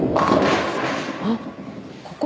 あっここ？